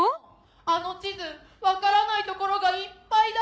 あの地図分からないところがいっぱいだよ。